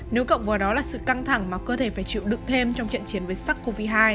nếu cộng vào đó là sự căng thẳng mà cơ thể phải chịu đựng thêm trong trận chiến với sars cov hai